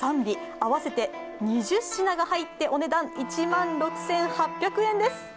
合わせて２０品が入ってお値段１万６８００円です。